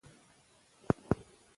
زه اوس د یوې مهمې موضوع په اړه فکر کوم.